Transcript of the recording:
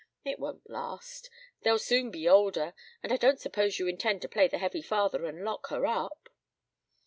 It won't last. They'll soon be older, and I don't suppose you intend to play the heavy father and lock her up."